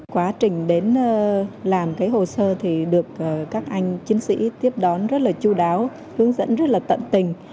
quá trình đến làm cái hồ sơ thì được các anh chiến sĩ tiếp đón rất là chú đáo hướng dẫn rất là tận tình